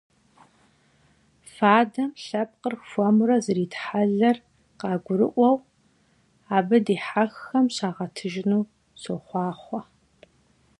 Fadem lhepkhır xuemure zeritheler khagurı'ueu abı dihexxem şağetıjjınu soxhuaxhue!